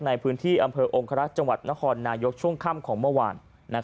ในพื้นที่อำเภอองครักษ์จังหวัดนครนายกช่วงค่ำของเมื่อวาน